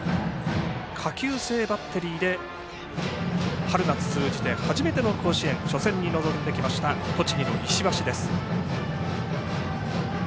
下級生バッテリーで春夏通じて初めての甲子園初戦に臨んできました栃木の石橋です。